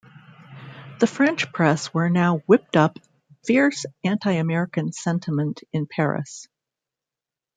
The French press were now whipped up fierce anti-American sentiment in Paris.